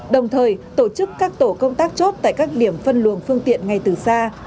đồng thời tổ chức các tổ công tác chốt tại các điểm phân luồng phương tiện ngay từ xa